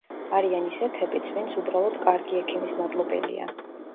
არიან ისეთებიც, ვინც უბრალოდ კარგი ექიმის მადლობელია.